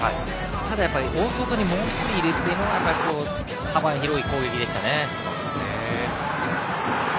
ただやっぱり大外にもう１人いるというのが横浜の幅の広い攻撃でしたね。